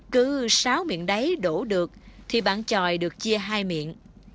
cứ sáu miệng đáy đổ được thì bạn tròi được chia hai miệng